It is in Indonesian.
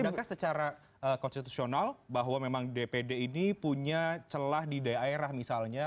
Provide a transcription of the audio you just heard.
adakah secara konstitusional bahwa memang dpd ini punya celah di daerah misalnya